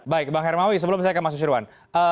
baik bang hermawi sebelum saya ke mas nusirwan